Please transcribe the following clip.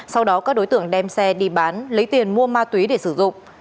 sau đó các đối tượng đem xe đi bán lấy tiền mua ma túy để sử dụng